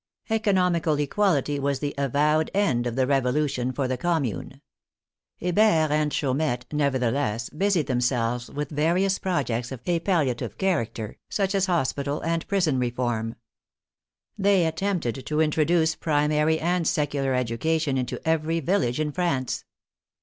Economical equality was the avowed end of the Revo lution for the Commune. Hebert and Chaumette, never theless, busied themselves with various projects of a pal iative character, such as hospital and prison reform. They attempted to introduce primary and secular education into every village in France.